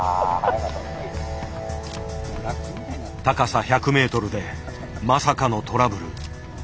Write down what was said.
高さ１００ｍでまさかのトラブル。